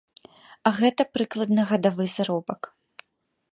А гэта прыкладна гадавы заробак.